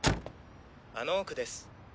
あの奥です。